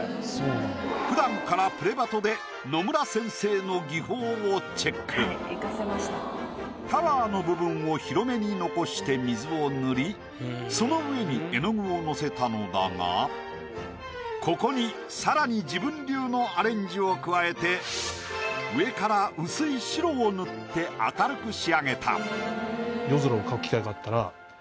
ふだんから「プレバト‼」でタワーの部分を広めに残して水を塗りその上に絵の具をのせたのだがここに更に自分流のアレンジを加えて上から薄い白を塗って明るく仕上げた。